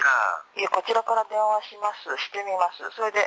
いえ、こちらから電話します、してみます。